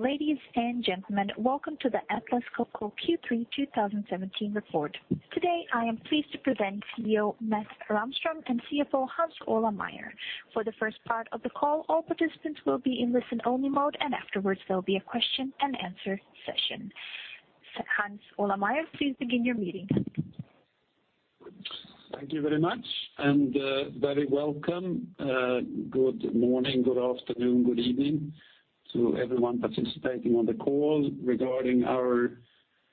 Ladies and gentlemen, welcome to the Atlas Copco Q3 2017 report. Today, I am pleased to present CEO Mats Rahmström and CFO Hans Ola Meyer. For the first part of the call, all participants will be in listen-only mode, and afterwards there will be a question-and-answer session. Hans Ola Meyer, please begin your meeting. Thank you very much, and very welcome. Good morning, good afternoon, good evening to everyone participating on the call regarding our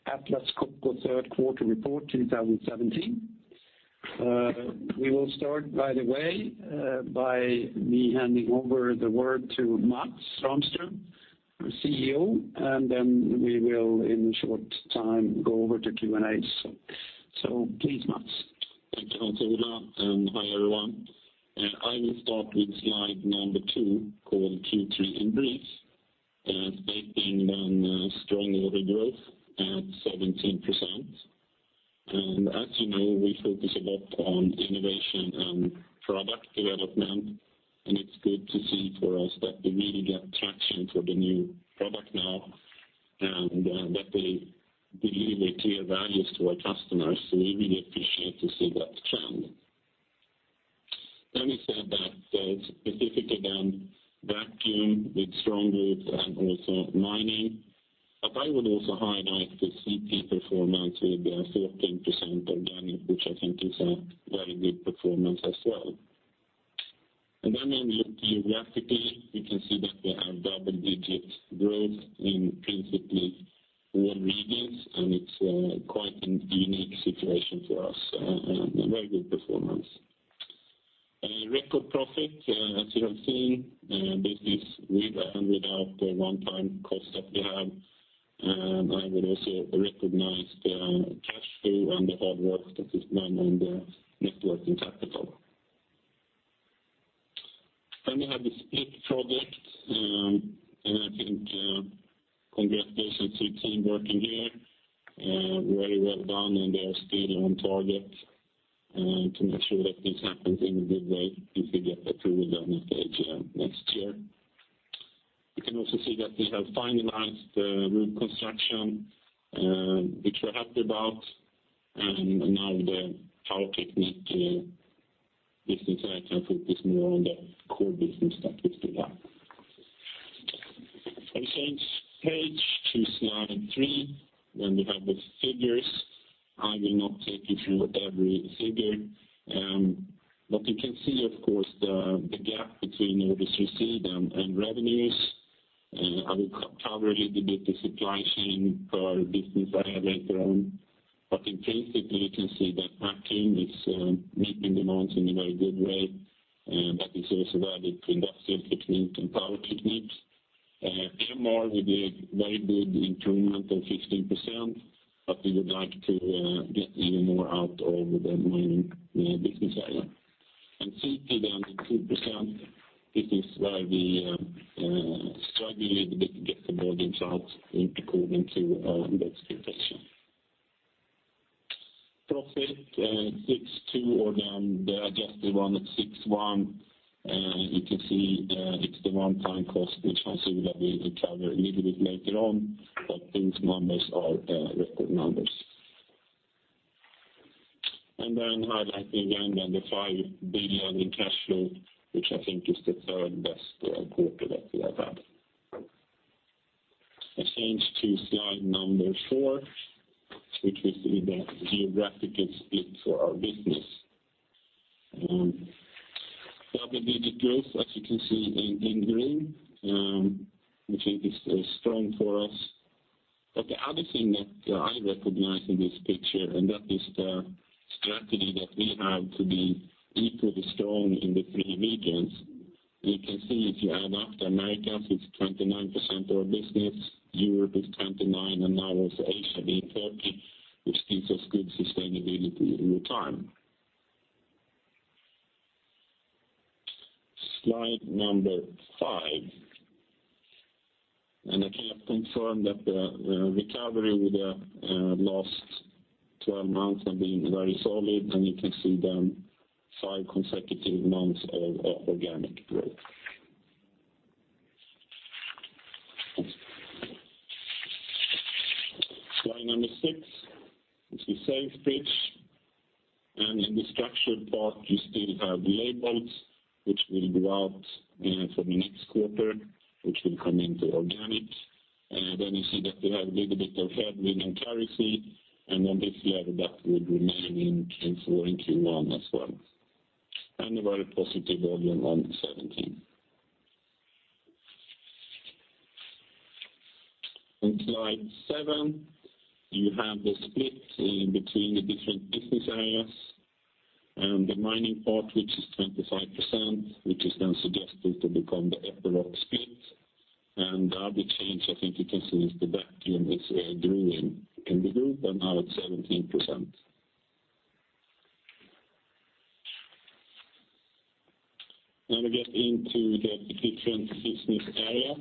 Atlas Copco third quarter report 2017. We will start, by the way, by me handing over the word to Mats Rahmström, our CEO, and then we will, in a short time, go over to Q&A. Please, Mats. Thank you, Hans Ola, and hi, everyone. I will start with slide number two called Q3 in brief, stating then strong order growth at 17%. As you know, we focus a lot on innovation and product development, and it's good to see for us that we really get traction for the new product now and that they deliver clear values to our customers, so we really appreciate to see that trend. We said that specifically then Vacuum with strong growth and also Mining. I would also highlight the CT performance with a 14% organic, which I think is a very good performance as well. When we look geographically, we can see that we have double-digit growth in principally all regions, and it's quite a unique situation for us and a very good performance. A record profit, as you have seen, business with and without the one-time cost that we have. I would also recognize the cash flow and the hard work that is done on the net working capital. We have the split project, and I think, congratulations to team working here. Very well done, and they are still on target to make sure that this happens in a good way if we get approval then at the AGM next year. You can also see that we have finalized the Road Construction, which we're happy about, and now the Power Technique business area can focus more on the core business that it still have. I change page to slide three, then we have the figures. I will not take you through every figure. You can see, of course, the gap between orders received and revenues. I will cover a little bit the supply chain per business area later on. In basically you can see that Vacuum is meeting demands in a very good way, and that is also valid for Industrial Technique and Power Technique. MR, we did very good improvement of 15%, but we would like to get even more out of the mining business area. CT down to 2%, this is where we struggle a little bit to get the volumes out into according to our investment question. Profit SEK 6.2 billion or I guess 6.1 billion. You can see, it's the one-time cost, which I think that we will cover a little bit later on, but these numbers are record numbers. Highlighting again the 5 billion in cash flow, which I think is the third best quarter that we have had. I change to slide four, which we see the geographical split for our business. Double-digit growth, as you can see in green, which I think is strong for us. The other thing that I recognize in this picture, and that is the strategy that we have to be equally strong in the three regions. You can see if you add up the Americas, it's 29% of our business. Europe is 29%, and now also Asia being 30%, which gives us good sustainability over time. Slide five. I can confirm that the recovery with the last 12 months have been very solid, you can see the five consecutive months of organic growth. Slide number six, which we say sales bridge. In the structured part, you still have Leybold which will go out for the next quarter, which will come into organic. You see that we have a little bit of headroom in CapEx, and then this level that would remain in Q4 and Q1 as well. A very positive volume on 17. On slide seven you have the split in between the different business areas, and the Mining part, which is 25%, which is then suggested to become the Epiroc split. The other change I think you can see is the Vacuum, growing in the group and now at 17%. Now we get into the different business areas,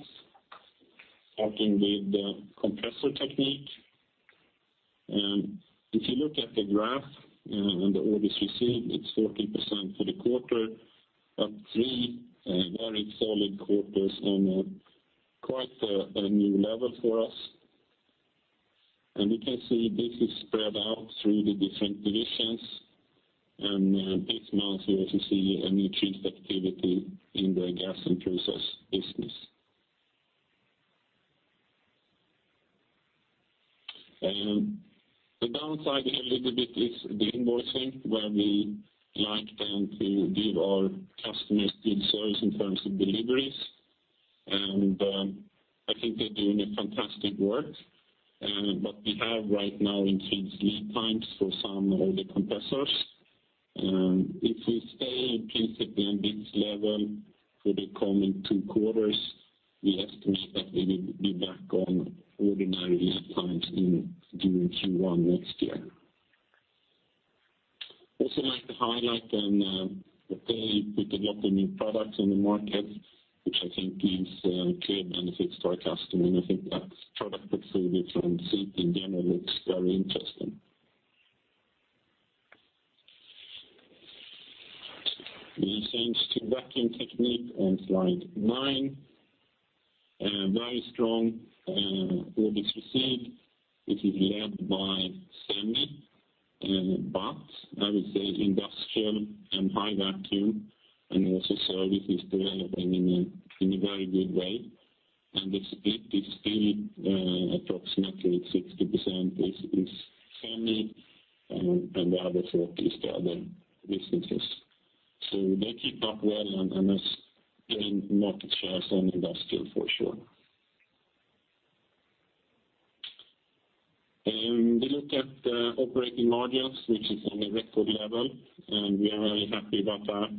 starting with the Compressor Technique. If you look at the graph and the orders received, it's 14% for the quarter three, very solid quarters and quite a new level for us. We can see this is spread out through the different divisions, and this month you also see an increased activity in the Gas and Process business. The downside here a little bit is the invoicing, where we like them to give our customers good service in terms of deliveries, and I think they're doing a fantastic work. We have right now increased lead times for some of the compressors. If we stay basically on this level for the coming two quarters, we estimate that we will be back on ordinary lead times during Q1 next year. Also like to highlight on that they put a lot of new products in the market, which I think gives clear benefits to our customer, and I think that product portfolio and safety in general looks very interesting. We change to Vacuum Technique on slide nine. Very strong orders received, which is led by semi and vacs. I would say industrial and high vacuum, and also service is developing in a very good way. This split is still approximately 60% is semi, and the other 40% is the other businesses. They keep up well and are thus gaining market shares and industrial for sure. We look at the operating margins, which is on a record level, and we are very happy about that.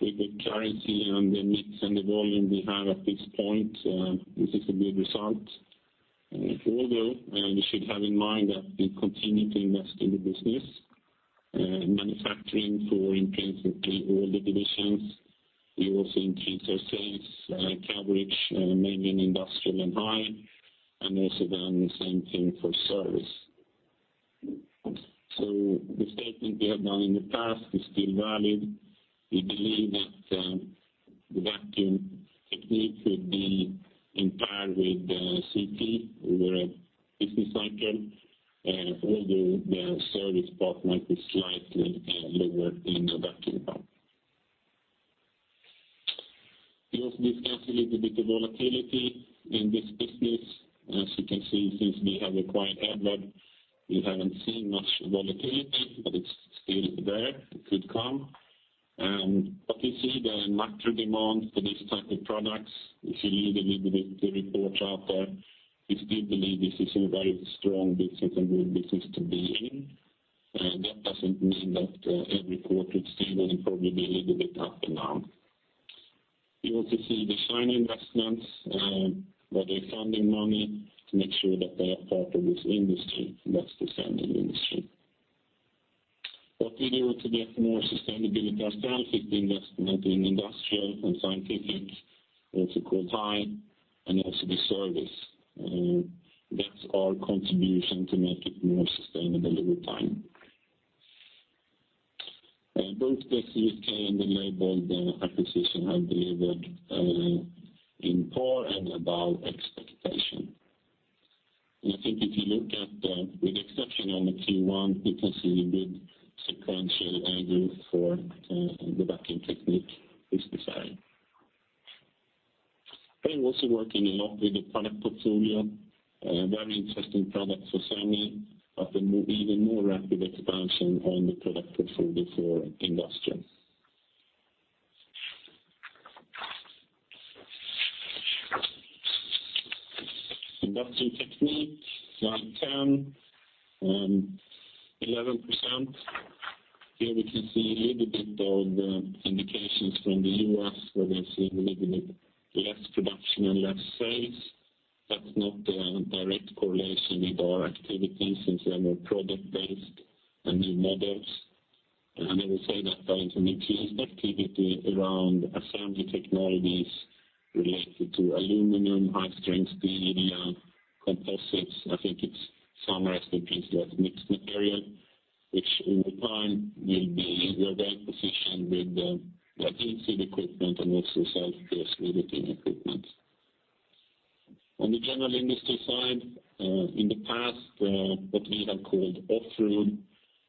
With the currency and the mix and the volume we have at this point, this is a good result. You should have in mind that we continue to invest in the business, manufacturing for increase of all the divisions. We also increase our sales coverage, mainly in Industrial Technique and high, and also then the same thing for service. The statement we have done in the past is still valid. We believe that the Vacuum Technique will be in par with the CT over a business cycle, although the service part might be slightly lower in the Vacuum part. You also discuss a little bit the volatility in this business. As you can see, since we have a quiet, [inaudible] we haven't seen much volatility, but it's still there. It could come. We see the macro demand for these type of products. If you read a little bit the reports out there, we still believe this is a very strong business and good business to be in. That doesn't mean that every quarter is still and probably a little bit up and down. You also see the Chinese investments, where they're funding money to make sure that they are part of this industry. [inaudible] We were to get more sustainability aspect investment in industrial and scientific, also called high, and also the service. That's our contribution to make it more sustainable over time. Both the CT and the Leybold acquisition have delivered on par and above expectation. I think if you look at the with exception on the Q1, you can see a good sequential angle for the Vacuum Technique this design. We're also working a lot with the product portfolio, very interesting product for semi, but an even more rapid expansion on the product portfolio for industrial. Vacuum Technique, slide 10, 11%. Here we can see a little bit of the indications from the U.S., where they've seen a little bit less production and less sales. That's not a direct correlation with our activity since they are more product-based and new models. I will say that there is an increased activity around assembly technologies related to aluminum, high-strength steel, composites. I think it's summarized in piece that mixed material, which over time we are well-positioned with the fastening equipment and also self-pierce riveting equipment. On the general industry side, in the past, what we have called off-road,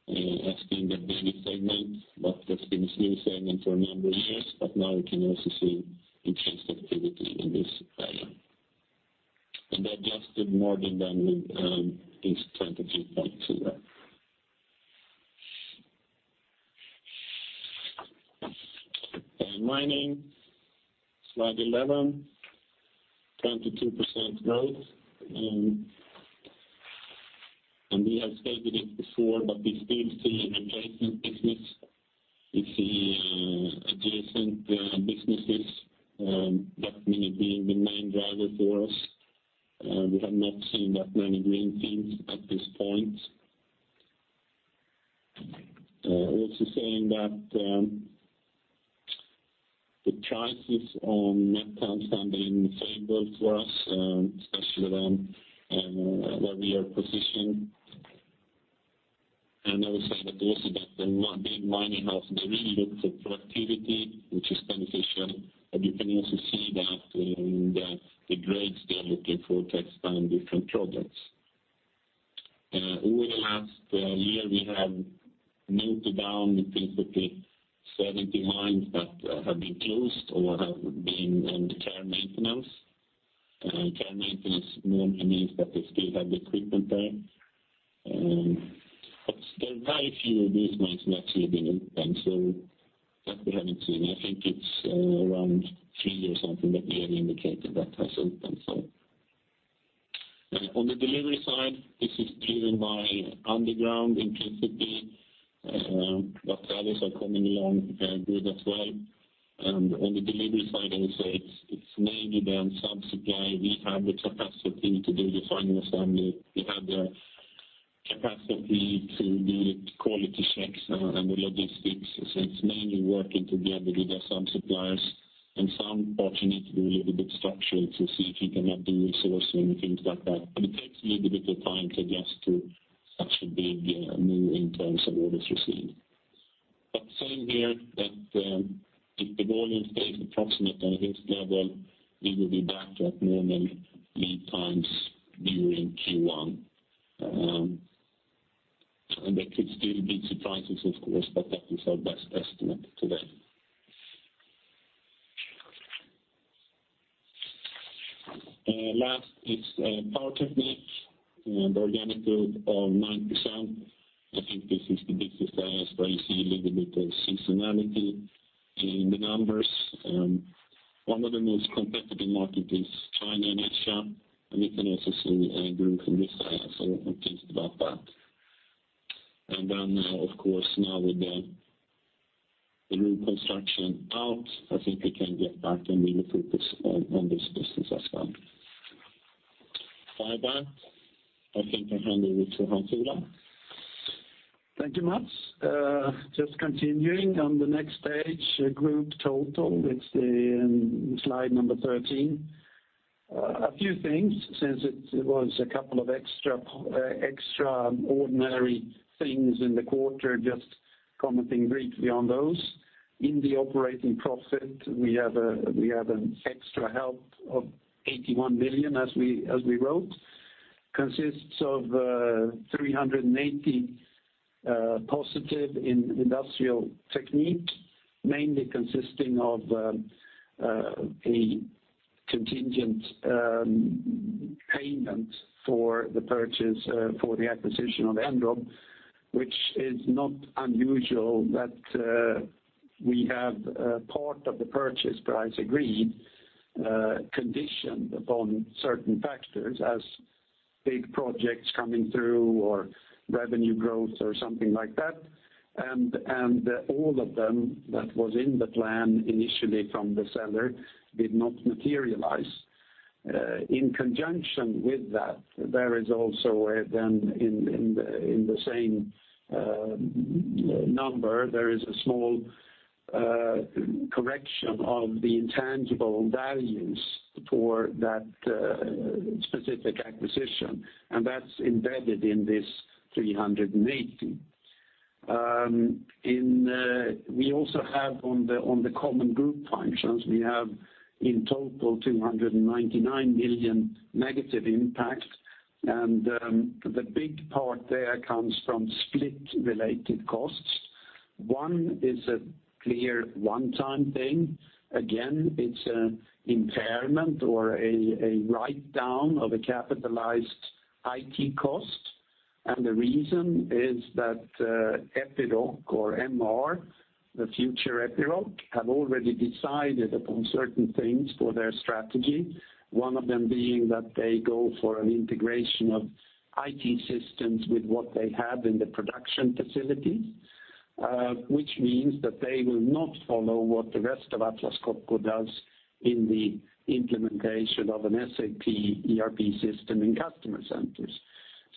has been the biggest segment, but that's been still segment for a number of years, but now we can also see increased activity in this area. The adjusted margin [inaudible] is 22.0%. In mining, slide 11, 22% growth. We have stated it before, but we still see an adjacent business. We see adjacent businesses definitely being the main driver for us. We have not seen that many green themes at this point. Also saying that the prices on met coal have been favorable for us, especially on where we are positioned. I would say that also that the big mining houses, they really look for productivity, which is beneficial. You can also see that the grades they're looking for takes time with control goods. Over the last year we have noted down basically 70 mines that have been closed or have been under care maintenance. Care maintenance normally means that they still have equipment there. There are very few of these mines that have actually been opened, so that we haven't seen. I think it's around three or something that we have indicated that has opened. On the delivery side, this is driven by underground intrinsically, others are coming along good as well. On the delivery side, I would say it's mainly then sub-supply. We have the capacity to do the final assembly. We have the capacity to do the quality checks and the logistics. It's mainly working together with our sub-suppliers, and some parts you need to do a little bit structured to see if you can have the resource and things like that. It takes a little bit of time to adjust to such a big move in terms of orders received. Same here, that, if the volume stays approximately this level, we will be back to at normal lead times during Q1. There could still be surprises of course, that is our best estimate today. Last is Power Technique, organic growth of 9%. I think this is the business area where you see a little bit of seasonality in the numbers. One of the most competitive market is China and Asia, we can also see a growth in this area, I'm pleased about that. Now of course, now with the Road construction out, I think we can get back and really focus on this business as well. By that, I think I hand over to Hans Ola. Thank you, Mats. Just continuing on the next page, group total, it's slide number 13. A few things since it was a couple of extraordinary things in the quarter, just commenting briefly on those. In the operating profit, we have an extra help of 81 million as we wrote. Consists of +380 million in Industrial Technique, mainly consisting of a contingent payment for the purchase for the acquisition of Henrob, which is not unusual that we have a part of the purchase price agreed conditioned upon certain factors as big projects coming through or revenue growth or something like that. All of them that was in the plan initially from the seller did not materialize. In conjunction with that, there is also a small correction of the intangible values for that specific acquisition, and that is embedded in this 380 million. We also have on the common group functions, we have in total -299 million impact, the big part there comes from split related costs. One is a clear one-time thing. Again, it is an impairment or a write-down of a capitalized IT cost, the reason is that Epiroc, the future Epiroc, have already decided upon certain things for their strategy. One of them being that they go for an integration of IT systems with what they have in the production facility, which means that they will not follow what the rest of Atlas Copco does in the implementation of an SAP ERP system in customer centers.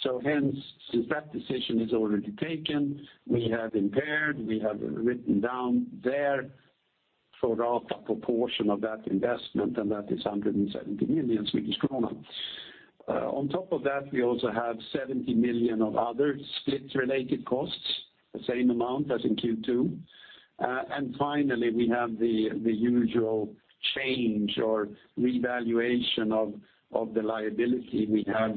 Hence, since that decision is already taken, we have impaired, we have written down there for a proportion of that investment, and that is 170 million. On top of that, we also have 70 million of other split related costs, the same amount as in Q2. Finally, we have the usual change or revaluation of the liability we have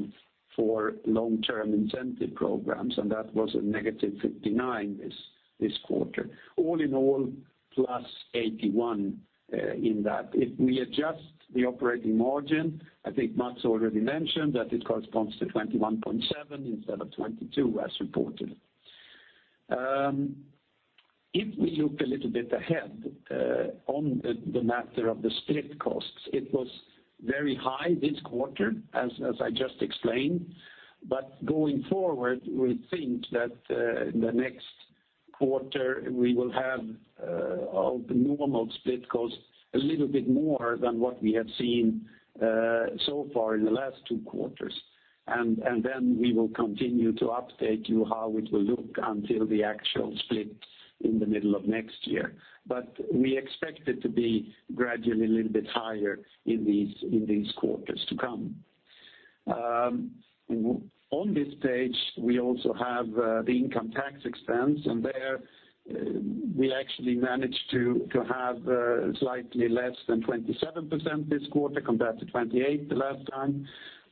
for long-term incentive programs, and that was a -59 million this quarter. All in all, +81 million in that. If we adjust the operating margin, I think Mats already mentioned that it corresponds to 21.7% instead of 22% as reported. If we look a little bit ahead on the matter of the split costs, it was very high this quarter as I just explained. Going forward, we think that the next quarter we will have of normal split cost a little bit more than what we have seen so far in the last two quarters. Then we will continue to update you how it will look until the actual split in the middle of next year. We expect it to be gradually a little bit higher in these quarters to come. On this page, we also have the income tax expense, and there we actually managed to have slightly less than 27% this quarter compared to 28% the last time.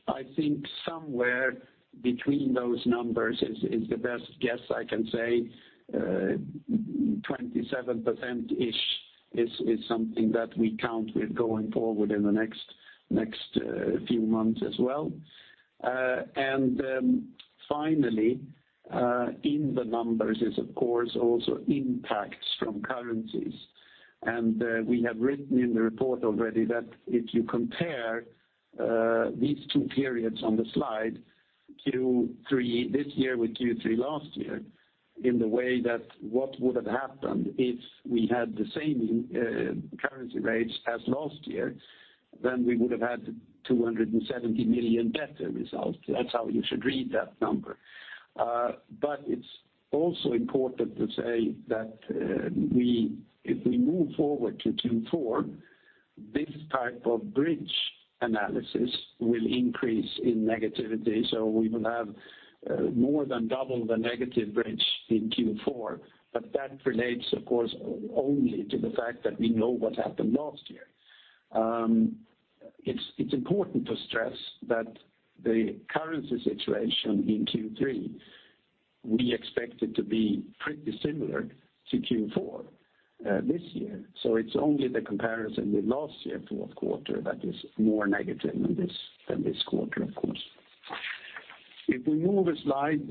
I think somewhere between those numbers is the best guess I can say. 27%-ish is something that we count with going forward in the next few months as well. Finally, in the numbers is of course also impacts from currencies. We have written in the report already that if you compare these two periods on the slide, Q3 this year with Q3 last year, in the way that what would have happened if we had the same currency rates as last year, then we would have had 270 million better result. That's how you should read that number. It's also important to say that if we move forward to Q4, this type of bridge analysis will increase in negativity, we will have more than double the negative bridge in Q4, but that relates of course only to the fact that we know what happened last year. It's important to stress that the currency situation in Q3, we expect it to be pretty similar to Q4 this year. It's only the comparison with last year fourth quarter that is more negative than this quarter, of course. If we move a slide,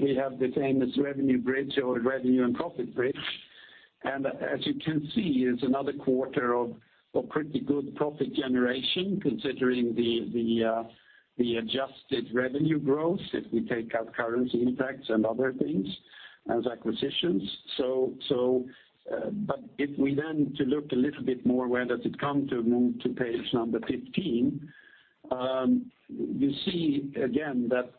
we have the famous revenue bridge or revenue and profit bridge. As you can see, it's another quarter of pretty good profit generation, considering the adjusted revenue growth if we take out currency impacts and other things as acquisitions. If we look a little bit more where does it come to, move to page 15, you see again that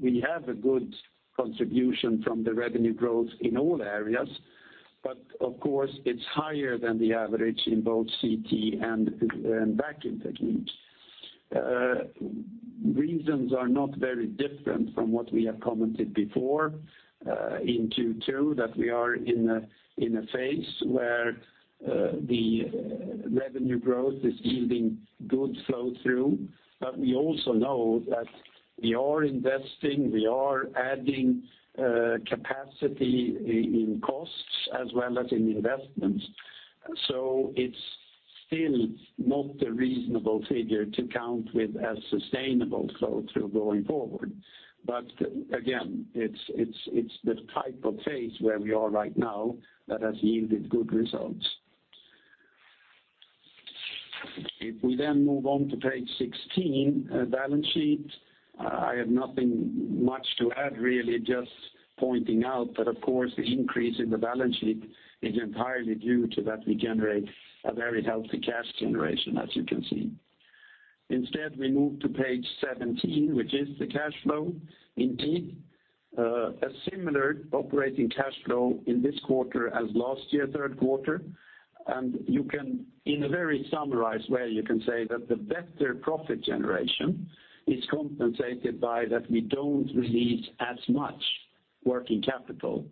we have a good contribution from the revenue growth in all areas, of course, it's higher than the average in both CT and Vacuum Technique. Reasons are not very different from what we have commented before in Q2, that we are in a phase where the revenue growth is yielding good flow through. We also know that we are investing, we are adding capacity in costs as well as in investments. It's still not a reasonable figure to count with as sustainable flow through going forward. Again, it's the type of phase where we are right now that has yielded good results. We move on to page 16, balance sheet. I have nothing much to add really, just pointing out that, of course, the increase in the balance sheet is entirely due to that we generate a very healthy cash generation, as you can see. We move to page 17, which is the cash flow. Indeed, a similar operating cash flow in this quarter as last year, third quarter. You can, in a very summarized way, you can say that the better profit generation is compensated by that we don't release as much working capital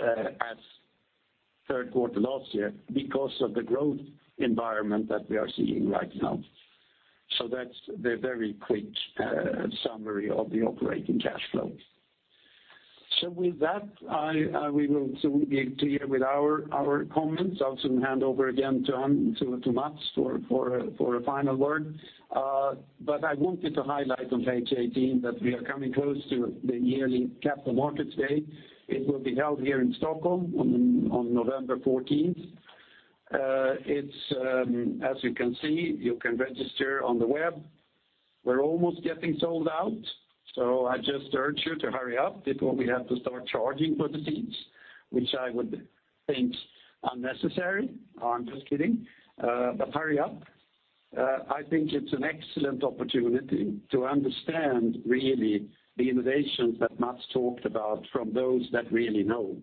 as third quarter last year because of the growth environment that we are seeing right now. That's the very quick summary of the operating cash flow. With that, I, we will soon be clear with our comments. I'll soon hand over again to Mats for a final word. I wanted to highlight on page 18 that we are coming close to the yearly Capital Markets Day. It will be held here in Stockholm on November 14. It's as you can see, you can register on the web. We're almost getting sold out, so I just urge you to hurry up before we have to start charging for the seats, which I would think unnecessary. No, I'm just kidding. Hurry up. I think it's an excellent opportunity to understand really the innovations that Mats talked about from those that really know,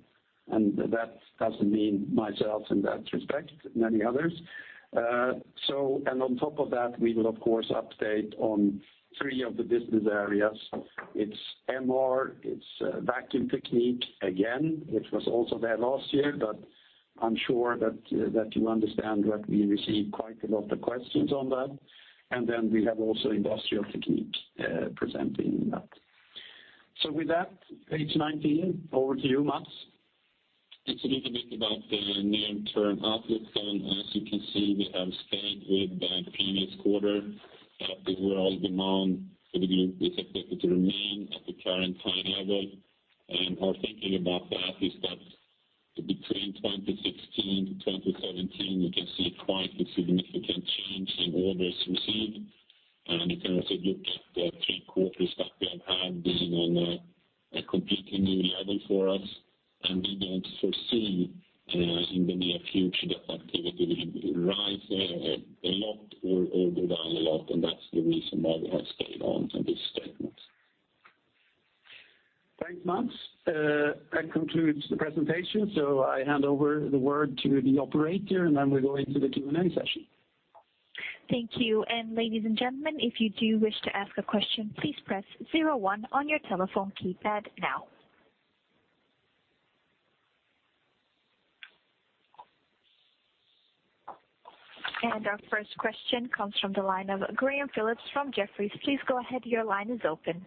and that doesn't mean myself in that respect, many others. On top of that, we will of course update on three of the business areas. It's MR, it's Vacuum Technique again, which was also there last year, but I'm sure that you understand that we receive quite a lot of questions on that. Then we have also Industrial Technique presenting that. With that, page 19, over to you, Mats. It's a little bit about the near-term outlook. As you can see, we have stayed with the previous quarter, that the overall demand for the group is expected to remain at the current high level. Our thinking about that is that between 2016 to 2017, you can see quite a significant change in orders received. You can also look at the three quarters On a completely new level for us, and we don't foresee in the near future that activity will rise a lot or go down a lot, and that's the reason why we have stayed on this statement. Thanks, Mats. That concludes the presentation, so I hand over the word to the operator, and then we'll go into the Q&A session. Thank you. Ladies and gentlemen, if you do wish to ask a question, please press zero one on your telephone keypad now. Our first question comes from the line of Graham Phillips from Jefferies. Please go ahead. Your line is open.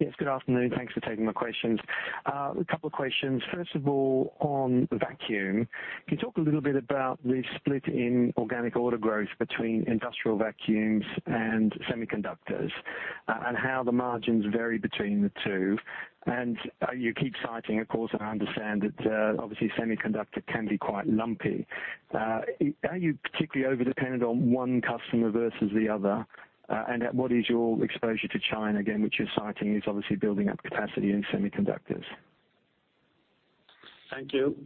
Yes, good afternoon. Thanks for taking my questions. A couple of questions. First of all, on Vacuum, can you talk a little bit about the split in organic order growth between industrial vacuums and semiconductors, and how the margins vary between the two? You keep citing, of course, and I understand that, obviously semiconductor can be quite lumpy. Are you particularly over-dependent on one customer versus the other? What is your exposure to China again, which you're citing is obviously building up capacity in semiconductors? Thank you.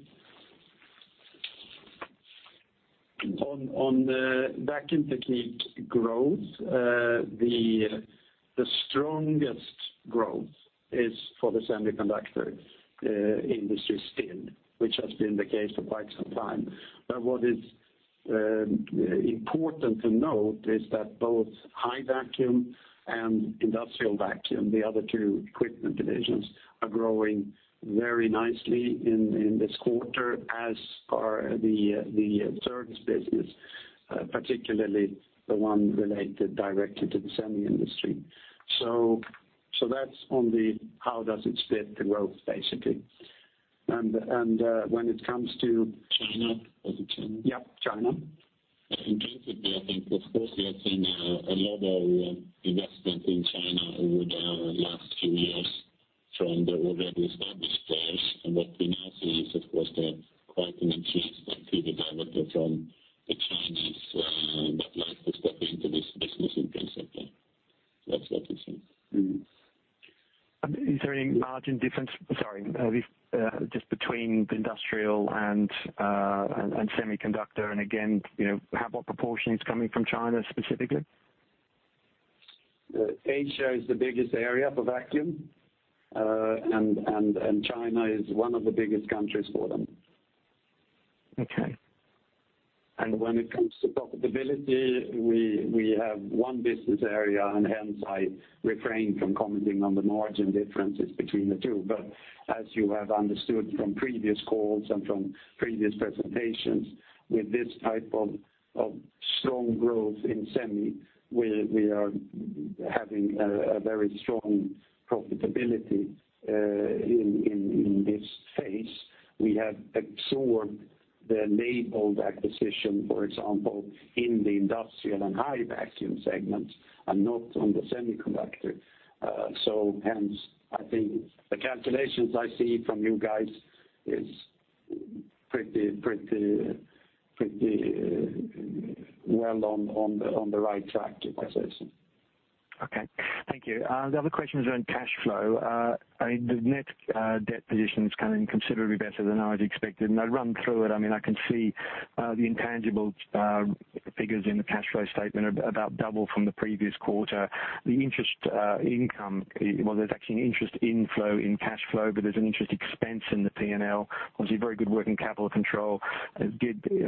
On the Vacuum Technique growth, the strongest growth is for the semi industry still, which has been the case for quite some time. What is important to note is that both high vacuum and industrial vacuum, the other two equipment divisions, are growing very nicely in this quarter, as are the service business, particularly the one related directly to the semi industry. That's on the how does it split the growth, basically. China. Was it China? Yeah, China. In principle, I think of course we have seen a lot of investment in China over the last two years from the already established players. What we now see is of course the quite an interest that could be developed from the Chinese would like to step into this business in principle. That's what we've seen. Is there any margin difference, sorry, just between the industrial and semiconductor, and again, you know, how, what proportion is coming from China specifically? Asia is the biggest area for Vacuum, and China is one of the biggest countries for them. Okay. When it comes to profitability, we have one business area, and hence I refrain from commenting on the margin differences between the two. As you have understood from previous calls and from previous presentations, with this type of strong growth in semi, we are having a very strong profitability in this phase. We have absorbed the Leybold acquisition, for example, in the Industrial and High Vacuum segments and not on the Semiconductor. Hence, I think the calculations I see from you guys is pretty well on the right track, if I say so. Okay. Thank you. The other question was on cash flow. I mean, the net-debt position is coming considerably better than I'd expected. I run through it. I mean, I can see the intangible figures in the cash flow statement are about double from the previous quarter. The interest income, well, there's actually an interest inflow in cash flow, but there's an interest expense in the P&L. Obviously, very good working capital control. A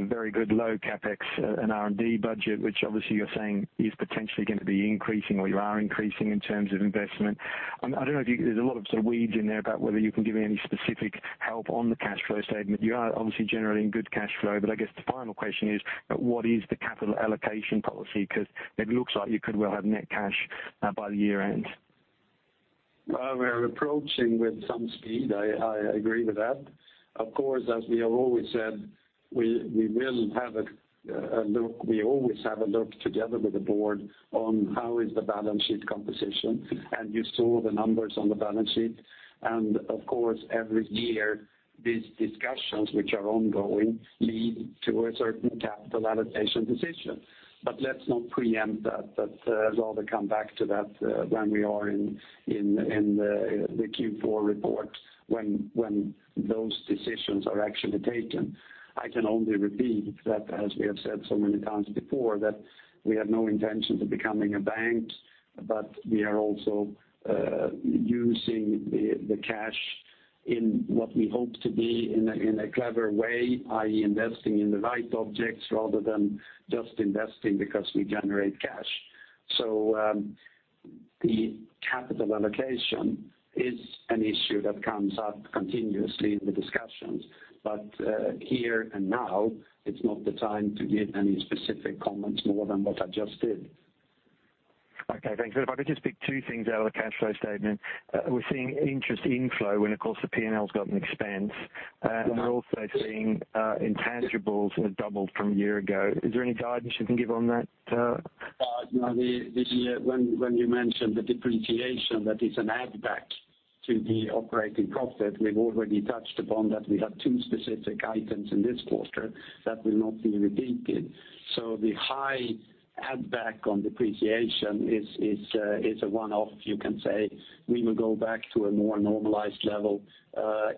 very good low CapEx and R&D budget, which obviously you're saying is potentially going to be increasing or you are increasing in terms of investment. There's a lot of sort of weeds in there about whether you can give me any specific help on the cash flow statement. You are obviously generating good cash flow. I guess the final question is what is the capital allocation policy? 'Cause it looks like you could well have net cash by the year end. Well, we're approaching with some speed, I agree with that. Of course, as we have always said, we will have a look, we always have a look together with the board on how is the balance sheet composition, and you saw the numbers on the balance sheet. Of course, every year, these discussions, which are ongoing, lead to a certain capital allocation decision. Let's not preempt that. Let's rather come back to that when we are in the Q4 report, when those decisions are actually taken. I can only repeat that as we have said so many times before, that we have no intention of becoming a bank, we are also using the cash in what we hope to be in a clever way, i.e., investing in the right objects rather than just investing because we generate cash. The capital allocation is an issue that comes up continuously in the discussions. Here and now it's not the time to give any specific comments more than what I just did. Okay, thanks. If I could just pick two things out of the cash flow statement. We're seeing interest inflow when, of course, the P&L's got an expense. We're also seeing intangibles have doubled from a year ago. Is there any guidance you can give on that? You know, when you mention the depreciation, that is an add back to the operating profit. We've already touched upon that we have two specific items in this quarter that will not be repeated. The high add back on depreciation is a one-off, you can say. We will go back to a more normalized level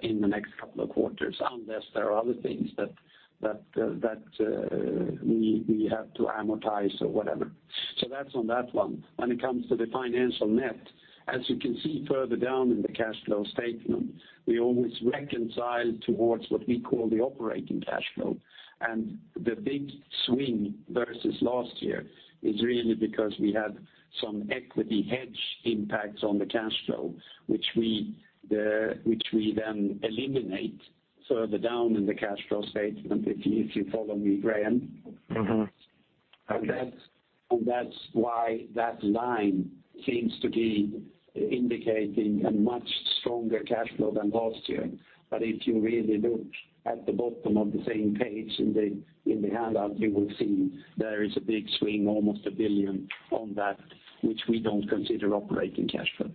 in the next couple of quarters, unless there are other things that we have to amortize or whatever. That's on that one. When it comes to the financial net, as you can see further down in the cash flow statement, we always reconcile towards what we call the operating cash flow. The big swing versus last year is really because we had some equity hedge impacts on the cash flow, which we then eliminate further down in the cash flow statement, if you, if you follow me, Graham. That's, and that's why that line seems to be indicating a much stronger cash flow than last year. If you really look at the bottom of the same page in the, in the handout, you will see there is a big swing, almost 1 billion on that, which we don't consider operating cash flow.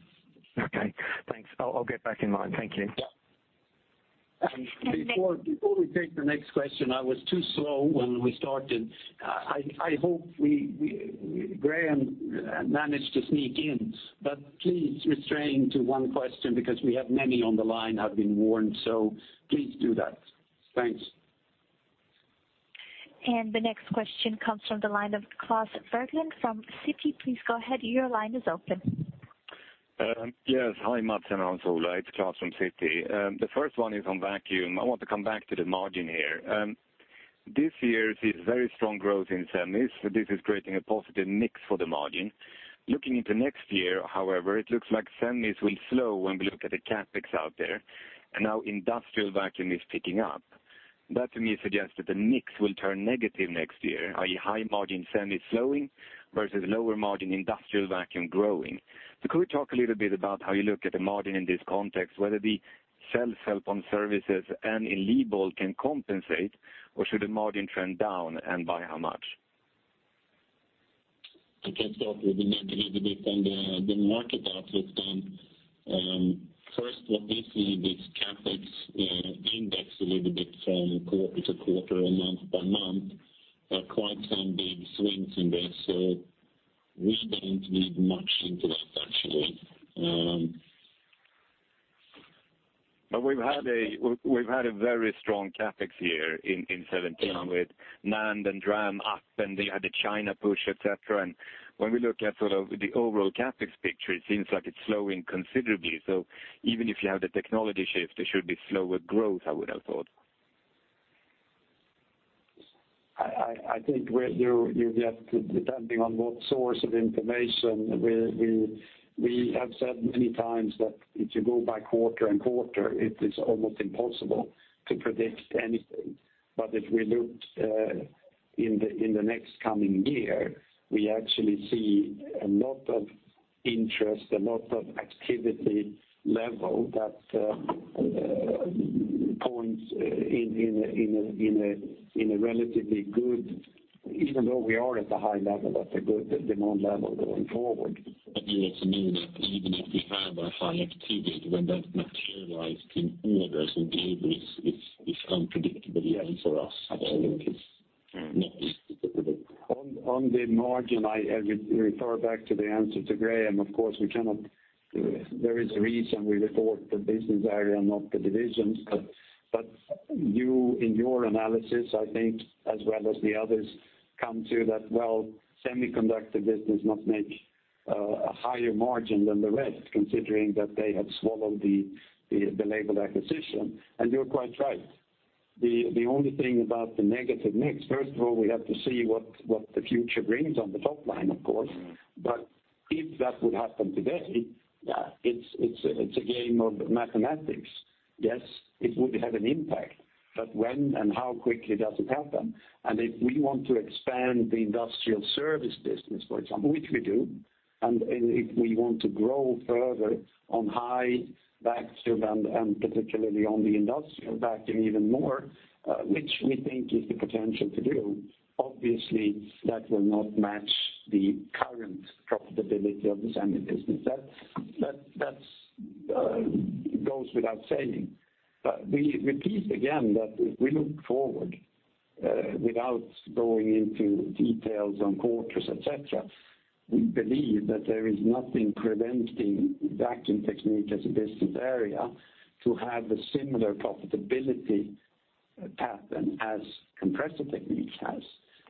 Okay, thanks. I'll get back in line. Thank you. And before- And the next- Before we take the next question, I was too slow when we started. I hope we, Graham managed to sneak in, please restrain to one question because we have many on the line I've been warned, so please do that. Thanks. The next question comes from the line of Klas Bergelind from Citi. Please go ahead, your line is open. Yes. Hi, Mats and Hans Ola. It's Klas from Citi. The first one is on vacuum. I want to come back to the margin here. This year sees very strong growth in semi, so this is creating a positive mix for the margin. Looking into next year, however, it looks like semi will slow when we look at the CapEx out there, and now industrial vacuum is picking up. That to me suggests that the mix will turn negative next year, a high margin semi slowing versus lower margin industrial vacuum growing. Could we talk a little bit about how you look at the margin in this context, whether the sales help on services and in Leybold can compensate, or should the margin trend down, and by how much? I can start with the negative a bit on the market outlook then. First, what we see this CapEx index a little bit from quarter-to-quarter or month-by-month, quite some big swings in there, so we don't read much into that actually. We've had a very strong CapEx year in 2017 with NAND and DRAM up, and they had the China push, et cetera. When we look at sort of the overall CapEx picture, it seems like it's slowing considerably. Even if you have the technology shift, there should be slower growth, I would have thought. I think where you get, depending on what source of information, we have said many times that if you go by quarter and quarter, it is almost impossible to predict anything. If we looked in the next coming year, we actually see a lot of interest, a lot of activity level that points in a relatively good, even though we are at a high level, at a good demand level going forward. You also know that even if we have a high activity, when that materialize in orders and deliveries is unpredictable even for us. Absolutely. It's not easy to predict. On the margin, I refer back to the answer to Graham. Of course, we cannot, there is a reason we report the business area, not the divisions. You in your analysis, I think, as well as the others come to that, well, semiconductor business must make a higher margin than the rest, considering that they have swallowed the Leybold acquisition, and you're quite right. The only thing about the negative mix, first of all, we have to see what the future brings on the top line, of course. If that would happen today, it's a game of mathematics. Yes, it would have an impact. When and how quickly does it happen? If we want to expand the industrial service business, for example, which we do, and if we want to grow further on high vacuum and particularly on the industrial vacuum even more, which we think is the potential to do, obviously, that will not match the current profitability of the semi business. That goes without saying. We repeat again that we look forward, without going into details on quarters, et cetera. We believe that there is nothing preventing Vacuum Technique as a business area to have a similar profitability pattern as Compressor Technique has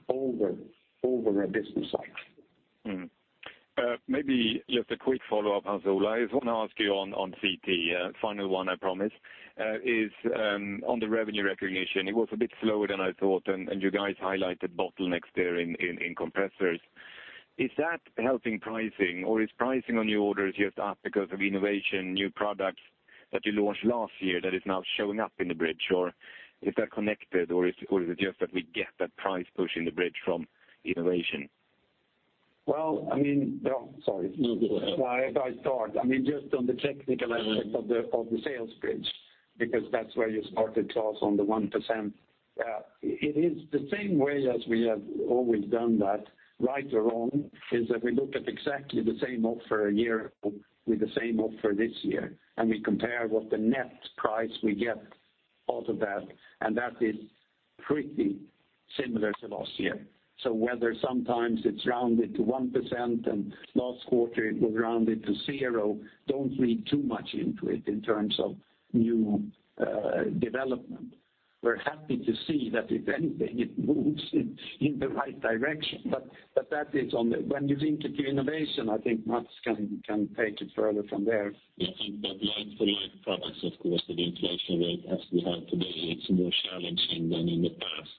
over a business cycle. Maybe just a quick follow-up, Hans Ola. I just want to ask you on CT, final one, I promise, is on the revenue recognition. It was a bit slower than I thought, and you guys highlighted bottlenecks there in compressors. Is that helping pricing, or is pricing on new orders just up because of innovation, new products that you launched last year that is now showing up in the bridge? Or is that connected, or is it just that we get that price push in the bridge from innovation? Well, I mean. Oh, sorry. No, go ahead. I start. I mean, just on the technical aspect of the sales bridge. That's where you started, Klas, on the 1%. It is the same way as we have always done that, right or wrong, is that we look at exactly the same offer a year ago with the same offer this year, and we compare what the net price we get out of that, and that is pretty similar to last year. Whether sometimes it's rounded to 1%, and last quarter it was rounded to 0%, don't read too much into it in terms of new development. We're happy to see that if anything, it moves in the right direction. When you link it to innovation, I think Mats can take it further from there. Yeah. I think that like-for-like products, of course, with inflation rate as we have today, it's more challenging than in the past.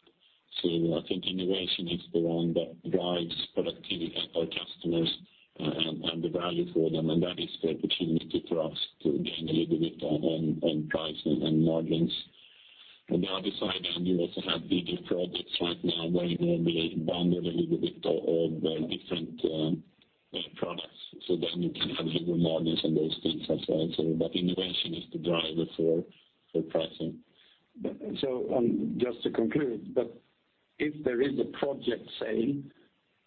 I think innovation is the one that drives productivity at our customers, and the value for them, and that is the opportunity for us to gain a little bit on price and margins. You also have bigger projects right now where you normally bundle a little bit of different, products, then you can have bigger margins on those things as well. Innovation is the driver for pricing. Just to conclude, if there is a project sale,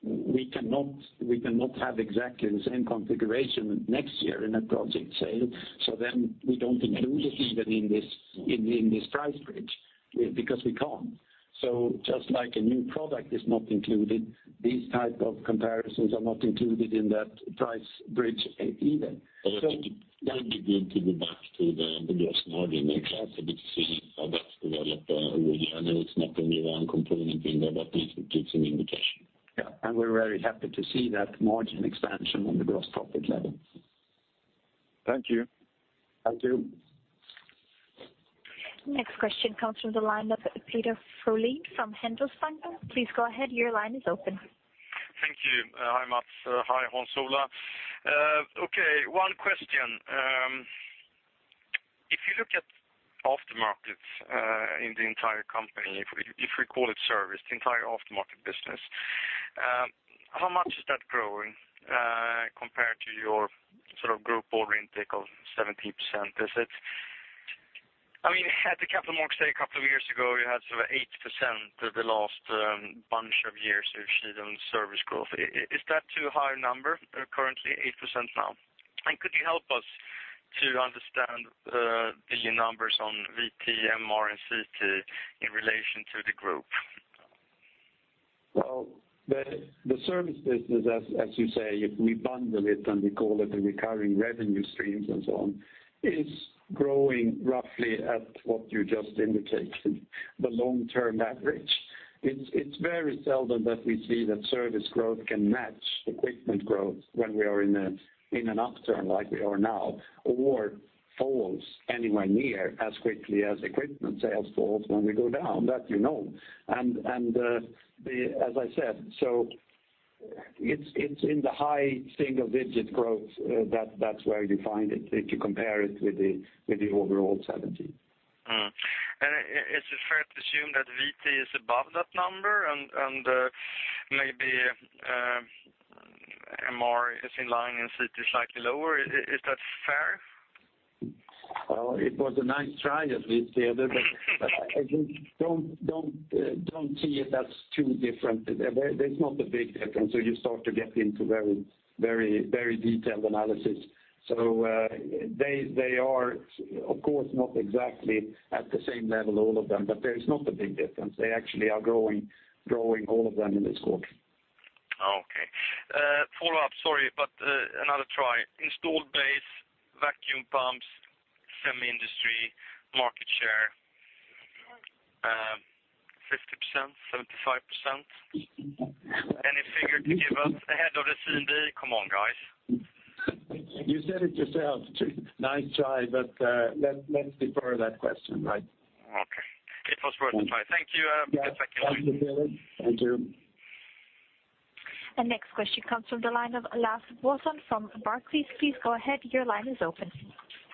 we cannot have exactly the same configuration next year in a project sale, we don't include it even in this price bridge because we can't. Just like a new product is not included, these type of comparisons are not included in that price bridge even. I think it would be good to go back to the gross margin, Klas, a bit to see how that's developed over the year. I know it's not the only one component in there, but at least it gives an indication. Yeah. We're very happy to see that margin expansion on the gross profit level. Thank you. Thank you. Next question comes from the line of Peder Frölén from Handelsbanken. Please go ahead. Your line is open. Thank you. Hi, Mats. Hi, Hans Ola. One question. If you look at aftermarket, in the entire company, if we call it service, the entire aftermarket business, how much is that growing compared to your sort of group order intake of 17%? I mean, at the Capital Markets Day a couple of years ago, you had sort of 8% for the last bunch of years you've seen on service growth. Is that too high a number, currently 8% now? Could you help us to understand the numbers on VT, MR, and CT in relation to the group? Well, the service business, as you say, if we bundle it and we call it the recurring revenue streams and so on, is growing roughly at what you just indicated, the long-term average. It's very seldom that we see that service growth can match equipment growth when we are in an upturn like we are now, or falls anywhere near as quickly as equipment sales falls when we go down. That you know. As I said, so it's in the high single-digit growth. That's where you find it if you compare it with the overall 17. Is it fair to assume that VT is above that number and, maybe, MR is in line and CT is slightly lower? Is that fair? Well, it was a nice try at least, Peder, but I think don't see it that's too different. There's not a big difference, so you start to get into very, very, very detailed analysis. They are of course not exactly at the same level, all of them, but there is not a big difference. They actually are growing all of them in this quarter. Okay. Follow-up, sorry, but, another try. Installed base, vacuum pumps, semi industry, market share, 50%, 75%? Any figure to give us ahead of the CM day? Come on, guys. You said it yourself. Nice try, but let's defer that question, right? Okay. It was worth a try. Thank you. Good second quarter. Thank you, Peder. Thank you. Next question comes from the line of Lars Brorson from Barclays. Please go ahead. Your line is open.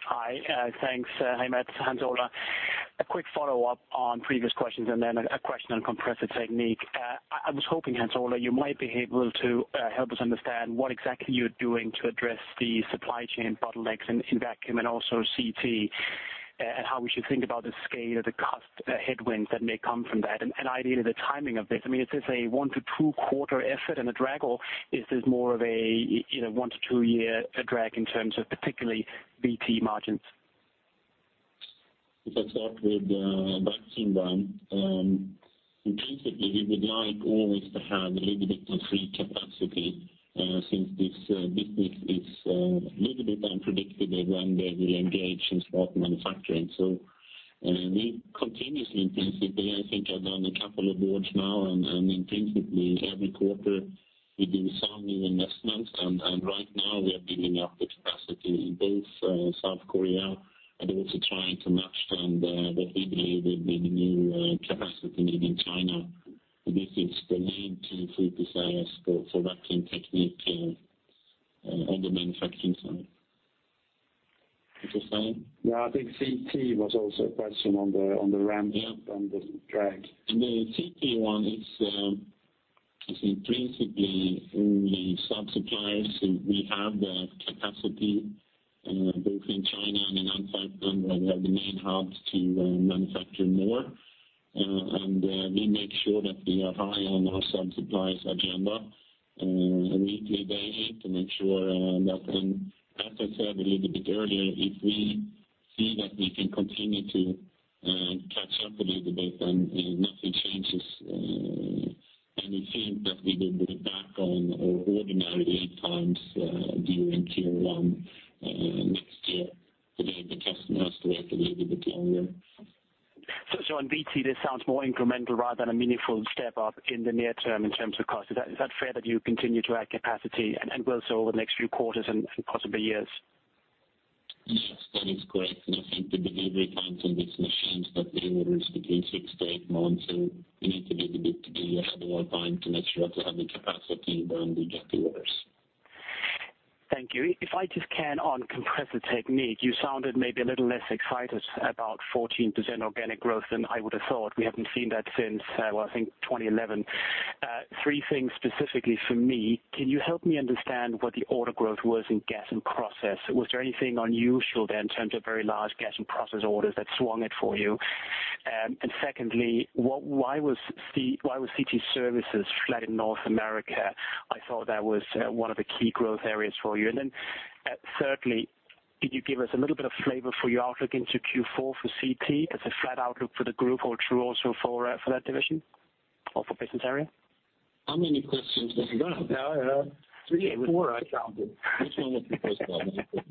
Hi. Thanks. Hi, Mats, Hans Ola. A quick follow-up on previous questions, then a question on Compressor Technique. I was hoping, Hans Ola, you might be able to help us understand what exactly you're doing to address the supply chain bottlenecks in Vacuum and also CT, and how we should think about the scale or the cost headwinds that may come from that, and ideally the timing of this. I mean, is this a one to two quarter effort and a drag, or is this more of a, you know, one to two year drag in terms of particularly VT margins? If I start with [inaudible] then, intrinsically, we would like always to have a little bit of free capacity, since this business is a little bit unpredictable when they will engage in spot manufacturing. We continuously, intrinsically, I think I've done a couple of boards now, and intrinsically every quarter we do some new investments. Right now we are building up the capacity in both South Korea, and also trying to match then the new capacity need in China. This is the main two focus areas for Vacuum Technique on the manufacturing side. Did you say? Yeah, I think CT was also a question on the, on the ramp-up and the drag. The CT one is. I think basically only self-supplies. We have the capacity, both in China and in Antwerp, and we have the main hubs to manufacture more. We make sure that we are high on our self-supplies agenda, weekly, daily to make sure that, as I said a little bit earlier, if we see that we can continue to catch up a little bit, then nothing changes. We think that we will be back on our ordinary lead times during Q1 next year, the way the customers were a little bit earlier. On VT, this sounds more incremental rather than a meaningful step up in the near term in terms of cost. Is that fair that you continue to add capacity and will so over the next few quarters and possibly years? Yes, that is correct. I think the delivery times on these machines that they range between six to eight months, so we need a little bit, a little more time to make sure that we have the capacity when we get the orders. Thank you. If I just can on Compressor Technique, you sounded maybe a little less excited about 14% organic growth than I would have thought. We haven't seen that since, well, I think 2011. Three things specifically for me. Can you help me understand what the order growth was in gas and process? Was there anything unusual there in terms of very large gas and process orders that swung it for you? Secondly, why was CT services flat in North America? I thought that was one of the key growth areas for you. Then, thirdly, could you give us a little bit of flavor for your outlook into Q4 for CT? Is it flat outlook for the group or true also for that division or for business area? How many questions have we got? Yeah. Three or four I counted. Which one was the first one? Well,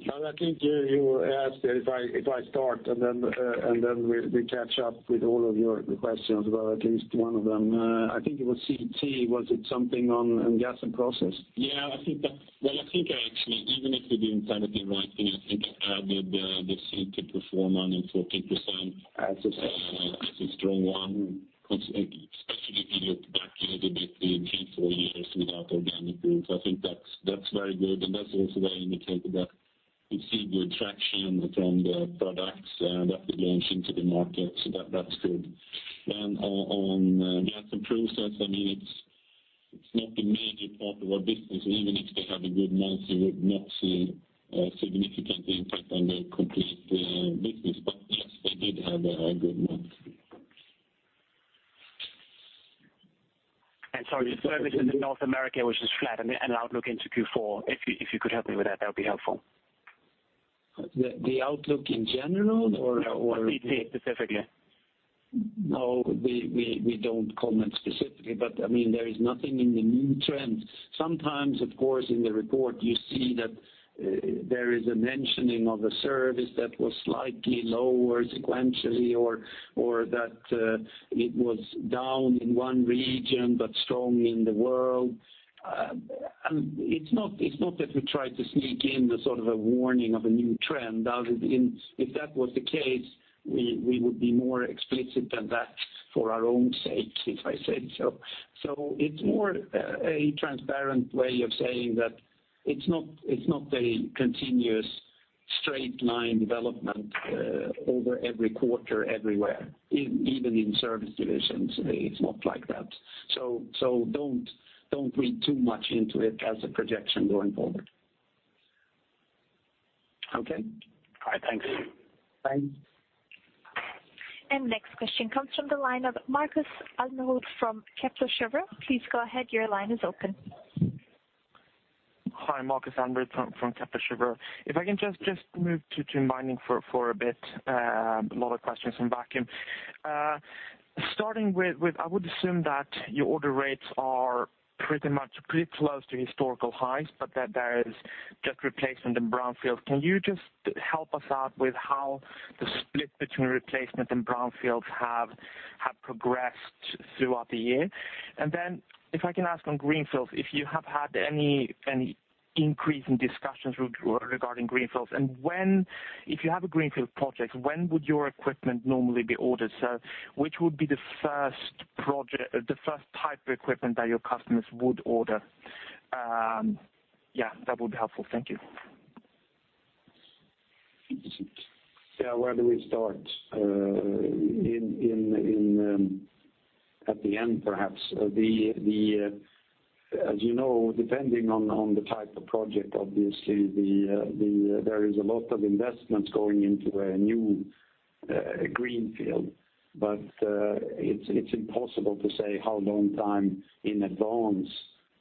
I think you asked if I start, and then we catch up with all of your questions. Well, at least one of them. I think it was CT. Was it something on gas and process? Yeah, I think that Well, I think I actually, even if you didn't have it in writing, I think I added the CT perform on in 14%. As I said. It's a strong one, especially if you look back a little bit, the three, four years without organic growth. I think that's very good, and that's also an indicator that we see good traction from the products that we launched into the market. That's good. On gas and process, I mean, it's not a major part of our business. Even if they had a good month, you would not see a significant impact on the complete business. Yes, they did have a good month. Sorry, just services in North America, which was flat and outlook into Q4. If you could help me with that would be helpful. The outlook in general or. No, for CT specifically. No, we don't comment specifically. I mean, there is nothing in the new trend. Sometimes, of course, in the report you see that there is a mentioning of a service that was slightly lower sequentially or that it was down in one region but strong in the world. It's not that we try to sneak in the sort of a warning of a new trend. Other than if that was the case, we would be more explicit than that for our own sakes, if I said so. It's more a transparent way of saying that it's not a continuous straight line development over every quarter everywhere, in even in service divisions. It's not like that. So don't read too much into it as a projection going forward. Okay? All right. Thanks. Thanks. Next question comes from the line of Markus Almerud from Kepler Cheuvreux. Please go ahead. Your line is open. Hi, Markus Almerud from Kepler Cheuvreux. If I can just move to mining for a bit, a lot of questions from vacuum. Starting with, I would assume that your order rates are pretty much close to historical highs, but that there is just replacement in brownfields. Can you just help us out with how the split between replacement and brownfields have progressed throughout the year? Then if I can ask on greenfields, if you have had any increase in discussions regarding greenfields, if you have a greenfield project, when would your equipment normally be ordered? Which would be the first project, the first type of equipment that your customers would order? Yeah, that would be helpful. Thank you. Yeah. Where do we start? At the end, perhaps. As you know, depending on the type of project, obviously there is a lot of investments going into a new greenfield, but it's impossible to say how long time in advance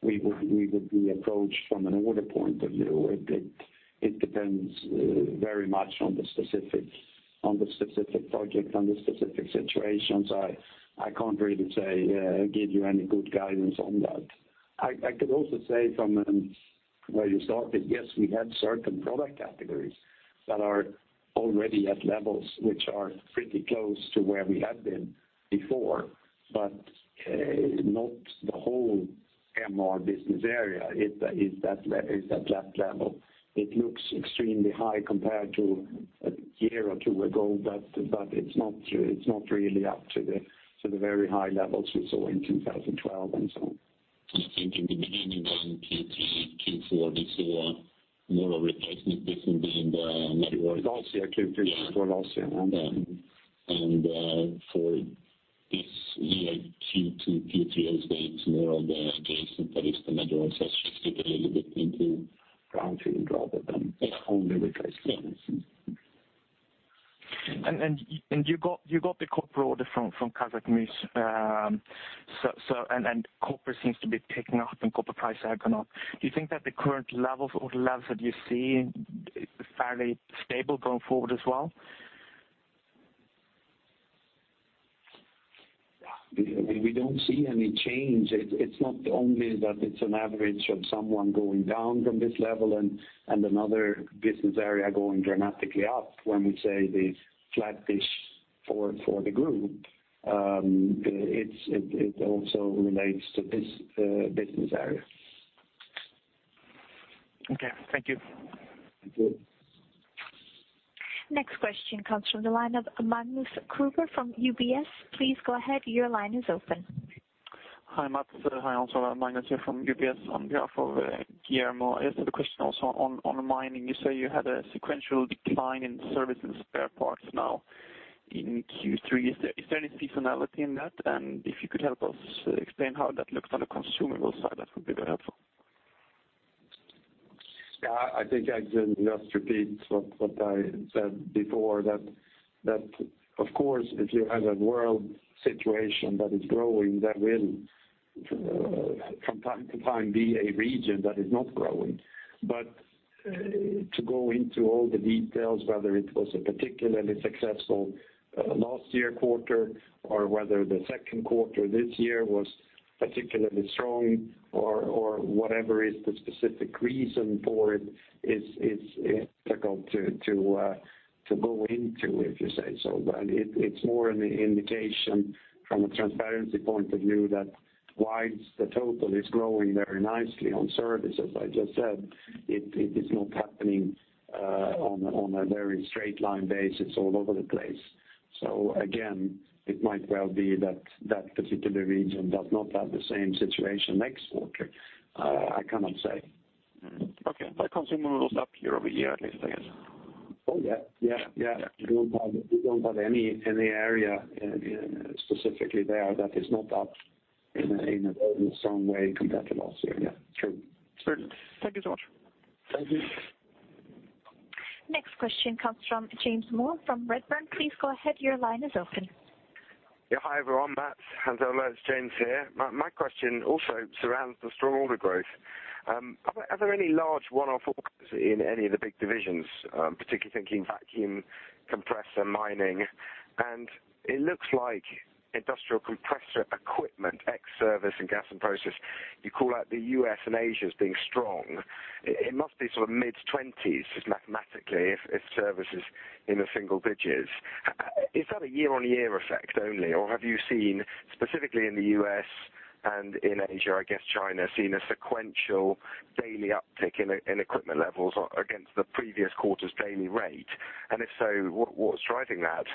we would be approached from an order point of view. It depends very much on the specific project, on the specific situations. I can't really say give you any good guidance on that. I could also say from where you started, yes, we have certain product categories that are already at levels which are pretty close to where we have been before, but not the whole Epiroc business area is at that level. It looks extremely high compared to a year or two ago, but it's not really up to the very high levels we saw in 2012 and so on. I think in the beginning then Q3, Q4, we saw more of replacement business in the networks. It's also Q3, Q4 also. Yeah. For this year, Q2, Q3, I'd say it's more of the case that it's the networks that's just taking a little bit into brownfield rather than only replacement. Yes. You got the copper order from Kazakhmys. Copper seems to be picking up, and copper prices are going up. Do you think that the current levels or the levels that you see fairly stable going forward as well? Yeah. We don't see any change. It's not only that it's an average of someone going down from this level and another business area going dramatically up when we say the flattish for the group. It also relates to this business area. Okay. Thank you. Thank you. Next question comes from the line of Magnus Kruber from UBS. Please go ahead, your line is open. Hi, Mats. Hi, Hans. Magnus here from UBS on behalf of Guillermo. I just have a question also on mining. You say you had a sequential decline in service and spare parts now in Q3. Is there any seasonality in that? If you could help us explain how that looks on the consumable side, that would be very helpful. Yeah. I think I'd just repeat what I said before that of course, if you have a world situation that is growing, there will from time to time be a region that is not growing. To go into all the details, whether it was a particularly successful last year quarter or whether the second quarter this year was particularly strong or whatever is the specific reason for it, is difficult to go into, if you say so. It's more an indication from a transparency point of view that whilst the total is growing very nicely on service, as I just said, it is not happening on a very straight line basis all over the place. Again, it might well be that that particular region does not have the same situation next quarter. I cannot say. Okay. Consumables up year-over-year at least, I guess. Yeah. We don't have any area in specifically there that is not up in a very strong way compared to last year. Yeah, true. Brilliant. Thank you so much. Thank you. Next question comes from James Moore from Redburn. Please go ahead. Your line is open. Yeah. Hi, everyone. Mats, Hans, it's James here. My question also surrounds the strong order growth. Are there any large one-off orders in any of the big divisions, particularly thinking vacuum, compressor, mining? It looks like industrial compressor equipment, ex service and gas and process, you call out the U.S. and Asia as being strong. It must be sort of mid-20s just mathematically if service is in the single digits. Is that a year-on-year effect only? Have you seen specifically in the U.S. and in Asia, I guess China, seen a sequential daily uptick in equipment levels against the previous quarter's daily rate? If so, what's driving that?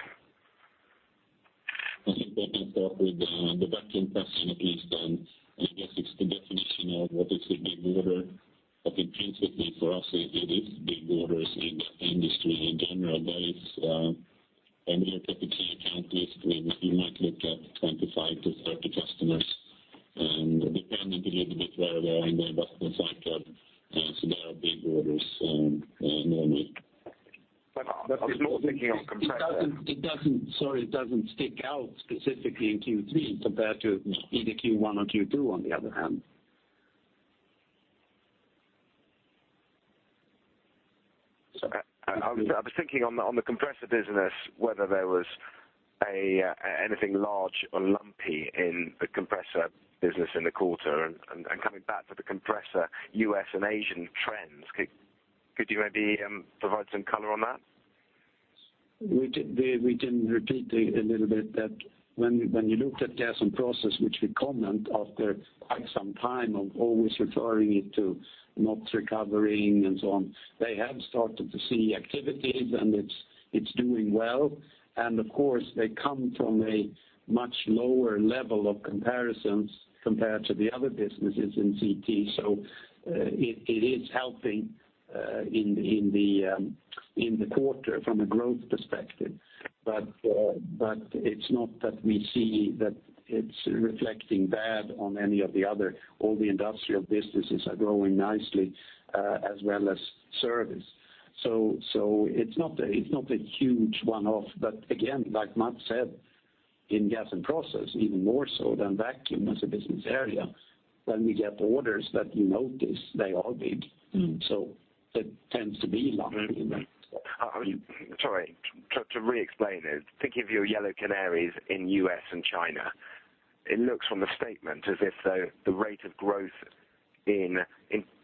I think I can start with the vacuum question at least. I guess it's the definition of what is a big order. In principally for us, it is big orders in that industry in general. That is, when you look at the key account list, we might look at 25 to 30 customers, dependent a little bit where they are in their business cycle. There are big orders normally. I was just thinking of compressor. Sorry, it doesn't stick out specifically in Q3 compared to either Q1 or Q2, on the other hand. I was thinking on the compressor business whether there was anything large or lumpy in the compressor business in the quarter. Coming back to the compressor U.S. and Asian trends, could you maybe provide some color on that? We did, we can repeat a little bit that when you looked at gas and process, which we comment after quite some time of always referring it to not recovering and so on, they have started to see activities, and it's doing well. Of course, they come from a much lower level of comparisons compared to the other businesses in CT. It is helping in the quarter from a growth perspective. It's not that we see that it's reflecting bad on any of the other. All the industrial businesses are growing nicely, as well as service. It's not a huge one-off. Again, like Mats said, in gas and process, even more so than vacuum as a business area, when we get orders that you notice, they are big. It tends to be lumpy, right? Sorry. To re-explain it, to give you yellow canaries in U.S. and China, it looks from the statement as if the rate of growth in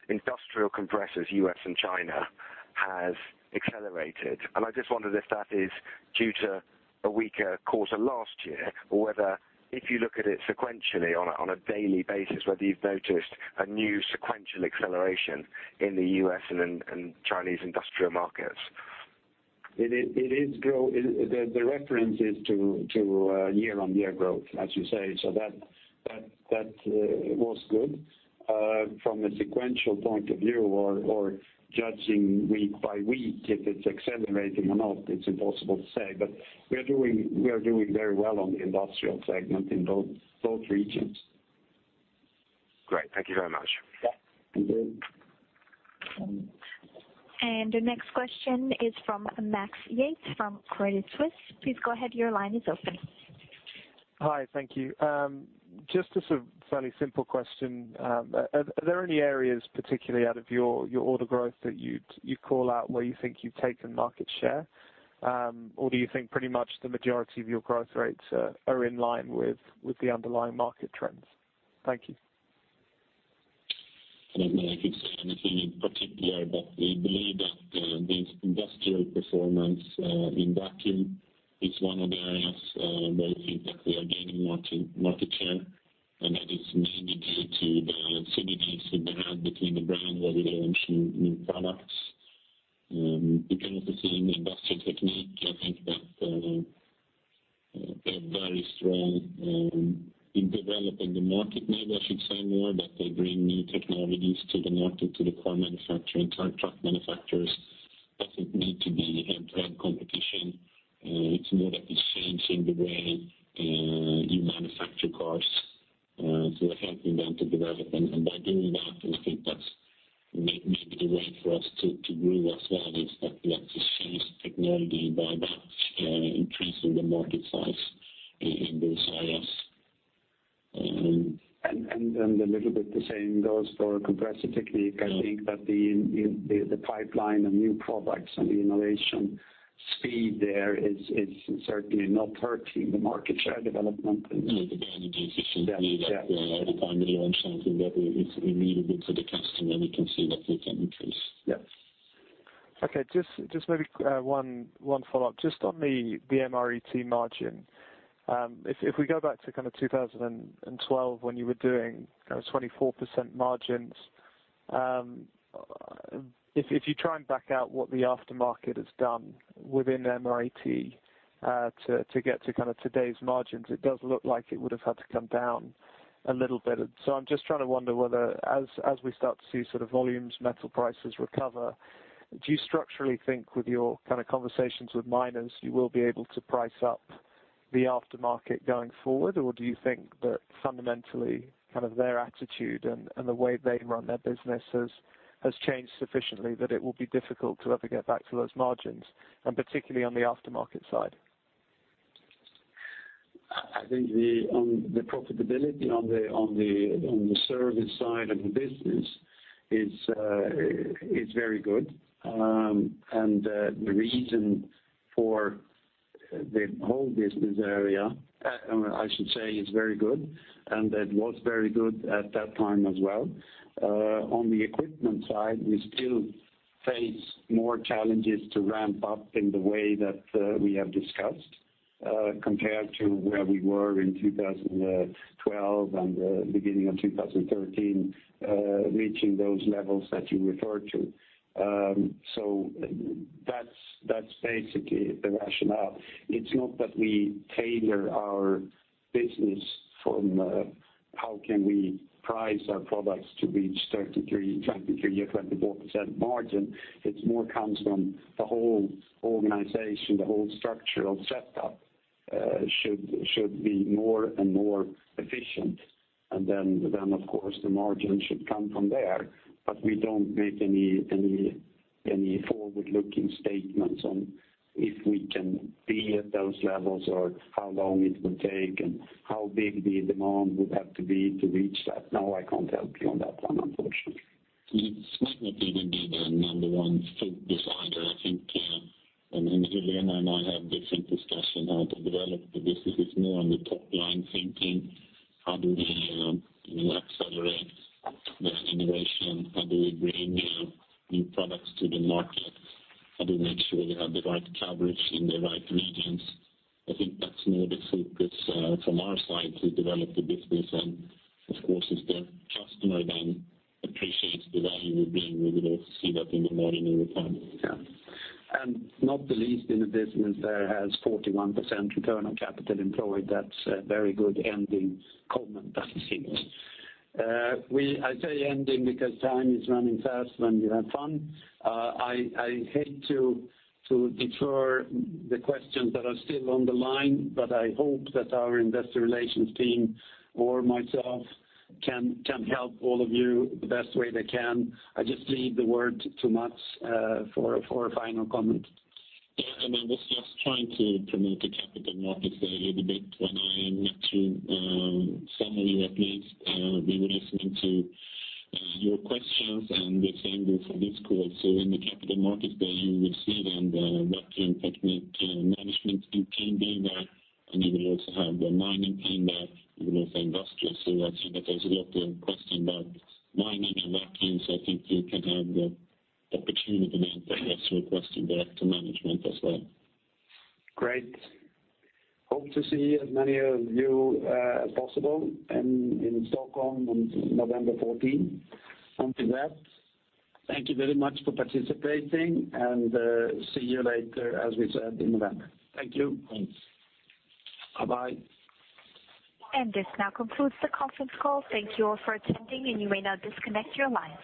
industrial compressors, U.S. and China, has accelerated. I just wondered if that is due to a weaker quarter last year or whether if you look at it sequentially on a daily basis, whether you've noticed a new sequential acceleration in the U.S. and Chinese industrial markets. The reference is to year-on-year growth, as you say. That was good. From a sequential point of view or judging week-by-week, if it's accelerating or not, it's impossible to say. We are doing very well on the industrial segment in those regions. Great. Thank you very much. Yeah. Thank you. The next question is from Max Yates from Credit Suisse. Please go ahead. Your line is open. Hi. Thank you. Just as a fairly simple question, are there any areas, particularly out of your order growth that you'd call out where you think you've taken market share? Or do you think pretty much the majority of your growth rates are in line with the underlying market trends? Thank you. I don't know I could say anything in particular, we believe that the industrial performance in vacuum is one of the areas where I think that we are gaining market share, and that is mainly due to the synergies that we have between the brand where we launch new products. You can also say in Industrial Technique, I think that we are very strong in developing the market need, I should say more, they bring new technologies to the market, to the car manufacturing, truck manufacturers. Doesn't need to be head-to-head competition. It's more that it's changing the way you manufacture cars. We're helping them to develop. By doing that, we think that's maybe the way for us to grow as well is that we have to change technology by that, increasing the market size in those areas. A little bit the same goes for Compressor Technique. Yeah. I think that the pipeline and new products and the innovation speed there is certainly not hurting the market share development. No, the brand is simply that, every time we launch something that is needed for the customer, we can see that we can increase. Yes. Okay. Just maybe one follow-up. Just on the MRET margin. If we go back to kind of 2012 when you were doing, you know, 24% margins, if you try and back out what the aftermarket has done within MRET, to get to kind of today's margins, it does look like it would have had to come down a little bit. I'm just trying to wonder whether as we start to see sort of volumes, metal prices recover, do you structurally think with your kind of conversations with miners, you will be able to price up the aftermarket going forward? Do you think that fundamentally, kind of their attitude and the way they run their business has changed sufficiently that it will be difficult to ever get back to those margins, and particularly on the aftermarket side? I think the, on the profitability on the, on the, on the service side of the business is very good. The reason for the whole business area, I should say, is very good, and it was very good at that time as well. On the equipment side, we still face more challenges to ramp up in the way that we have discussed, compared to where we were in 2012 and the beginning of 2013, reaching those levels that you referred to. That's basically the rationale. It's not that we tailor our business from, how can we price our products to reach say 23%, 23% or 24% margin. It's more comes from the whole organization, the whole structure of setup, should be more and more efficient. Then of course, the margin should come from there. We don't make any forward-looking statements on if we can be at those levels or how long it will take and how big the demand would have to be to reach that. No, I can't help you on that one, unfortunately. It's might not even be the number one focus either. I think Johan Halling and I have different discussion how to develop the business. It's more on the top line thinking, how do we accelerate the innovation? How do we bring new products to the market? How do we make sure we have the right coverage in the right regions? I think that's more the focus from our side to develop the business. Of course, if the customer then appreciates the value we bring, we will see that in the margin over time. Not the least in the business there has 41% return on capital employed. That's a very good ending comment, I think. I say ending because time is running fast and we have fun. I hate to detour the questions that are still on the line, but I hope that our Investor Relations team or myself can help all of you the best way they can. I just leave the word to Mats for a final comment. Yeah. I mean, I was just trying to promote the Capital Markets Day a little bit when I met you. Some of you at least, we were listening to your questions and the same goes for this call. In the Capital Markets Day, you will see then the Vacuum Technique management team being there, and you will also have the mining team there. We will say industrial. I think that there's a lot of question about mining and vacuum, I think you can have the opportunity then to ask your question there to management as well. Great. Hope to see as many of you as possible in Stockholm on November 14. Until then, thank you very much for participating, and see you later, as we said, in November. Thank you. Thanks. Bye-bye. This now concludes the conference call. Thank you all for attending, and you may now disconnect your lines.